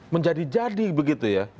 menjadi jadi begitu ya